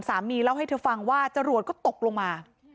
เล่าให้เธอฟังว่าจรวดก็ตกลงมา